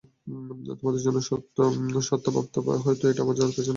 তোমার অন্য সত্তা ভাবতো হয়তো এটা আমার পেছনে যে লেগে আছে তাকে থামাতে পারবে।